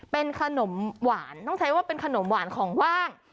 เป็นขนมหวานต้องใช้ว่าเป็นขนมหวานของว่าง